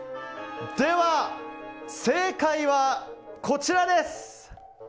では、正解はこちらです！